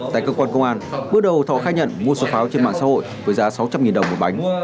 tại cơ quan công an bước đầu thọ khai nhận mua số pháo trên mạng xã hội với giá sáu trăm linh đồng một bánh